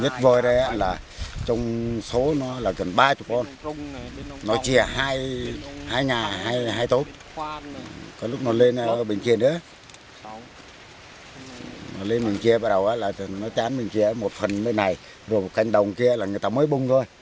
trong số nó là gần ba mươi con nó chia hai ngà hai tốp còn lúc nó lên ở bên kia đó nó lên bên kia bắt đầu là nó chán bên kia một phần bên này rồi một canh đồng kia là người ta mới bung thôi